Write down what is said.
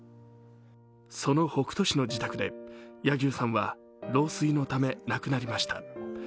その北杜市の自宅で柳生さんは老衰のため亡くなりました。